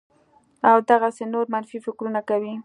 او دغسې نور منفي فکرونه کوي